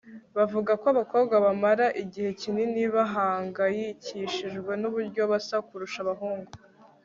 bavuga ko abakobwa bamara igihe kinini bahangayikishijwe nuburyo basa kurusha abahungu